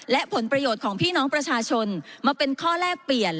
และผลประโยชน์ของพี่น้องประชาชนมาเป็นข้อแลกเปลี่ยน